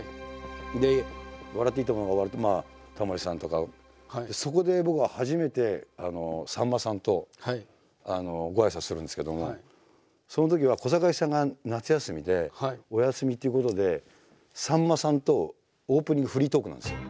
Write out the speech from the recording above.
で「笑っていいとも！」が終わるとまあタモリさんとか。そこで僕は初めてさんまさんとごあいさつするんですけどもそのときは小堺さんが夏休みでお休みっていうことでさんまさんとオープニングフリートークなんですよ。